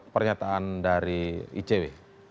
pernyataan dari icw